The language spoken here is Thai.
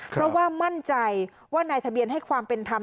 เพราะว่ามั่นใจว่านายทะเบียนให้ความเป็นธรรม